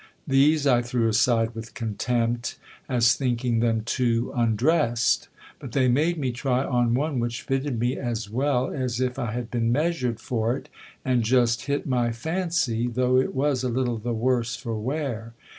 These I threw aside with contempt, as thinking them too undrest ; but they made me try on one which fitted me as well as if I had been measured for it, and just hit my fancy, though it was a little the worse for wear.